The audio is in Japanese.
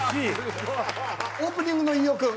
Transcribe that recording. オープニングの飯尾君。